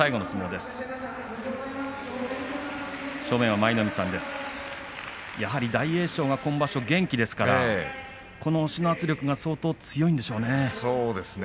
舞の海さん大栄翔が今場所元気ですから押しの圧力が相当強いんでしょうね。